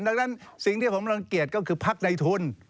ดังนั้นสิ่งที่ผมรังเกียจก็คือพักในทุน